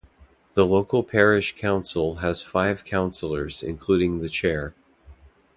The local Parish Council has five Councillors including the Chair.